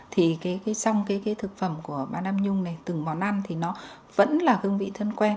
thì trong cái thực phẩm của ban nam nhung này từng món ăn thì nó vẫn là hương vị thân quen